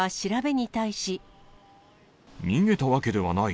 逃げたわけではない。